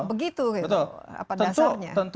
begitu gitu apa dasarnya